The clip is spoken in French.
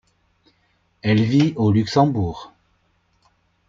Elle vit au Luxembourg.